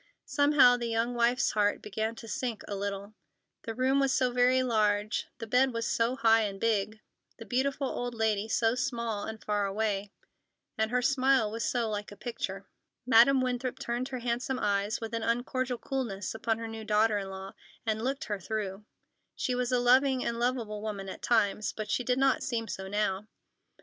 Somehow, the young wife's heart began to sink a little. The room looked so very large, the bed was so high and big, the beautiful old lady so small and far away, and her smile was so like a picture. Madam Winthrop turned her handsome eyes with an uncordial coolness upon her new daughter in law, and looked her through. She was a loving and lovable woman at times, but she did not seem so now.